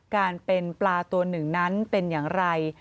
การเป็นปลาตัวหนึ่งนั้นเป็นอย่างไร